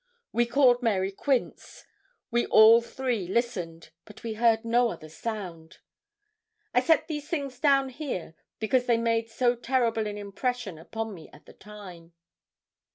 We called Mary Quince. We all three listened, but we heard no other sound. I set these things down here because they made so terrible an impression upon me at the time.